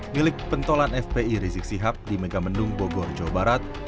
milik pentolan fpi rizik sihab di megamendung bogor jawa barat